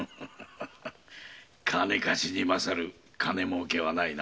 金貸しに勝る金もうけはないな。